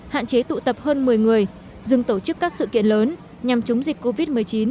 hạn chế tụ tập hơn một mươi người dừng tổ chức các sự kiện lớn nhằm chống dịch covid một mươi chín